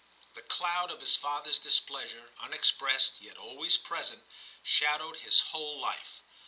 The cloud of his fathers displeasure, un expressed yet always present, shadowed his whole life.